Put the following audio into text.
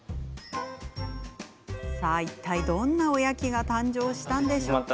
いったいどんなおやきが誕生したんでしょうか？